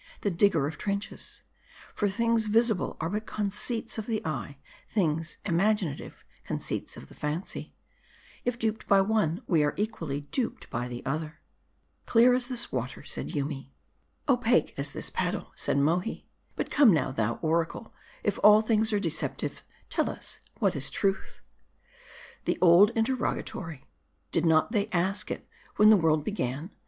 the digger of trenches ; for things visible are but conceits of the eye : things imaginative, conceits of the fancy. If duped by one, we are equally duped by the 6ther." M A R D L 327 " Clear as this water," said Yoomy. "Opaque as this paddle," said MoKi, "But, come now, thou oraole, if all things are deceptive, tell us what is truth ?"" The old interrogatory ; did they not ask it when the world "began